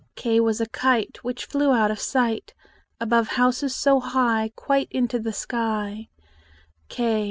K was a kite Which flew out of sight, Above houses so high, Quite into the sky.